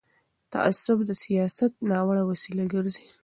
تعصب د سیاست ناوړه وسیله ګرځي